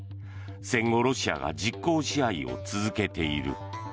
戦後、ロシアが実効支配を続けている。